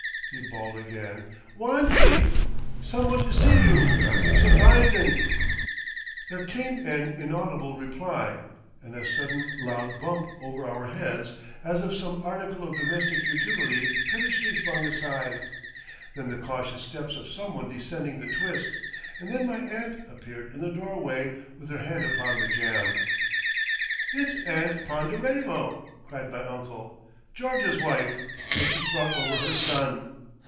he bawled again. "Wantje. Some one to see you. Surprisin'." There came an inaudible reply, and a sudden loud bump over our heads as of some article of domestic utility pettishly flung aside, then the cautious steps of someone descending the twist, and then my aunt appeared in the doorway with her hand upon the jamb. "It's Aunt Ponderevo," cried my uncle. "George's wife—and she's brought over her son!"